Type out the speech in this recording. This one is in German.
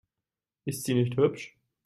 Ist sie nicht hübsch?